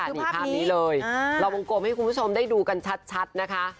นี่ภาพนี้เลยเราวงกลมให้คุณผู้ชมได้ดูกันชัดนะคะ